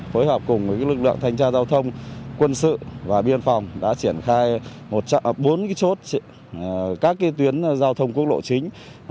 phối hợp cùng với lực lượng thanh tra giao thông quân sự và biên phòng đã triển khai bốn chốt các tuyến giao thông quốc lộ chính